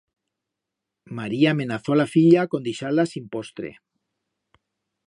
María menazó a la filla con deixar-la sin postre.